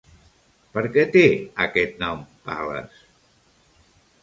Per què té aquest nom, Pal·les?